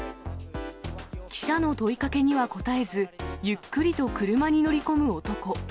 記者の問いかけには答えず、ゆっくりと車に乗り込む男。